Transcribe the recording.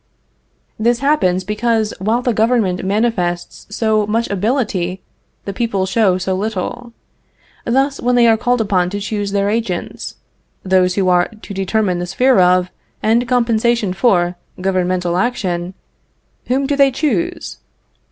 This happens because, while the government manifests so much ability, the people show so little. Thus, when they are called upon to choose their agents, those who are to determine the sphere of, and compensation for, governmental action, whom do they choose?